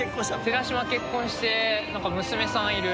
テラシマ結婚して娘さんいる。